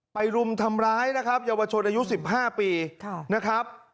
ไปรุมทำร้ายนะครับยาวชนอายุสิบห้าปีนะครับ